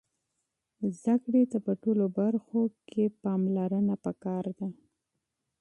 زده کړې ته په ټولو برخو کې توجه اړینه ده.